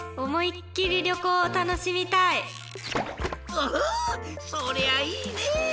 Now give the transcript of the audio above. おおそりゃいいね！